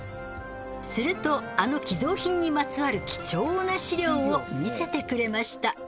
するとあの寄贈品にまつわる貴重な資料を見せてくれました。